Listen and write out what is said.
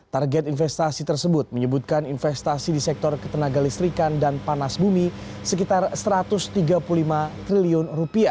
target investasi tersebut menyebutkan investasi di sektor ketenaga listrikan dan panas bumi sekitar rp satu ratus tiga puluh lima triliun